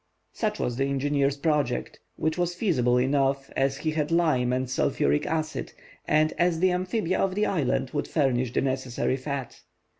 Such was the engineer's project, which was feasible enough, as he had lime and sulphuric acid, and as the amphibia of the island would furnish the necessary fat.